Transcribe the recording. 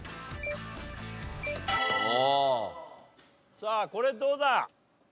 さあこれどうだ？